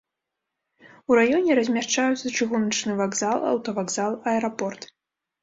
У раёне размяшчаюцца чыгуначны вакзал, аўтавакзал, аэрапорт.